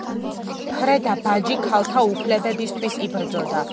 ფრედა ბაჯი ქალთა უფლებებისთვის იბრძოდა.